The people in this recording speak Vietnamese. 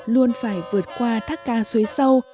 luôn phải vượt qua thác ca suối sâu